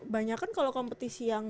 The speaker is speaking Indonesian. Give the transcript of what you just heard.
banyak kan kalau kompetisi yang